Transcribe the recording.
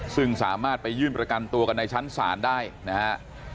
ซึ่งสามารถไปยื่นประกันตัวกันในชั้นศาลได้นะฮะ